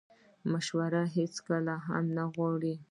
مشورې هیڅوک هم نه غواړي